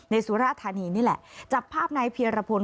นี่แหละจับภาพนายเพียรพล